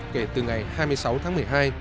kể từ ngày hai mươi sáu tháng một mươi hai